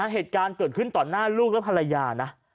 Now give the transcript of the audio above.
เหตุการณ์เกิดขึ้นต่อหน้าลูกและภรรยานะ